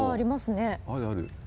あるある。